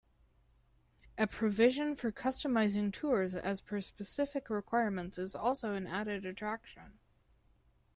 A provision for customising tours as per specific requirements is also an added attraction.